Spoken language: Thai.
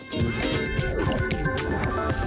สวัสดีค่ะ